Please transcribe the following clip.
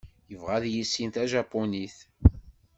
Yebɣa ad yissin tajapunit.